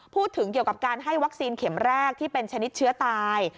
พูดถึงเกี่ยวกับการให้วัคซีนเข็มแรกที่เป็นชนิดเชื้อตาย